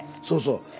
そうそう。